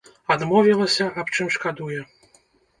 Адмовілася, аб чым шкадуе.